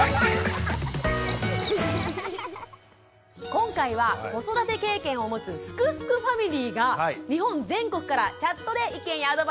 今回は子育て経験を持つすくすくファミリーが日本全国からチャットで意見やアドバイスをくれます。